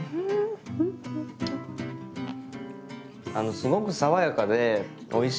すごく爽やかでおいしいです。